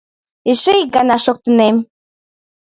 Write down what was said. Эше ик гана шоктынем